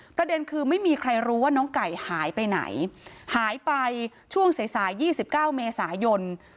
ประเด็นคือไม่มีใครรู้ว่าน้องไก่หายไปไหนหายไปช่วงสายสาย๒๙เมษายน